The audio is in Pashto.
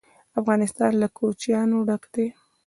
افغانستان له کوچیان ډک دی.